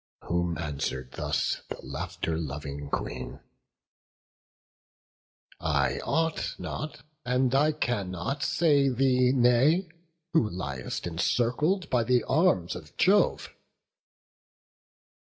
Whom answer'd thus the laughter loving Queen: "I ought not, and I cannot, say thee nay, Who liest encircled by the arms of Jove."